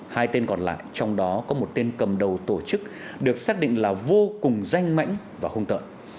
hai tên còn lại trong đó có một tên cầm đầu tổ chức được xác định là vô cùng danh mãnh và hung tợn